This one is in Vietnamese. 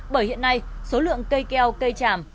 bởi hiện nay số lượng cây keo cây tràm